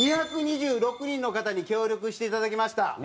２２６人の方に協力していただきました。